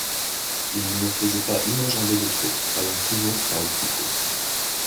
Il ne faisait pas une enjambée de trop, allant toujours par le plus court.